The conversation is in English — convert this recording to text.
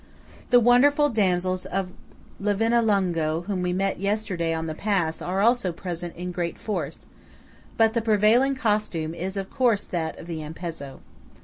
The wonderful damsels of Livinallungo whom we met yesterday on the pass, are also present in great force; but the prevailing costume is of course that of the Ampezzo.